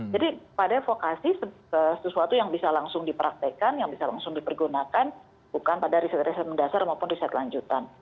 jadi pada vokasi sesuatu yang bisa langsung dipraktekan yang bisa langsung dipergunakan bukan pada riset riset mendasar maupun riset lanjutan